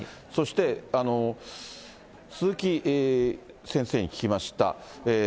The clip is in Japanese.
そして、鈴木先生に聞きました。